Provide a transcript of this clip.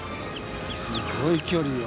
すごい距離よ。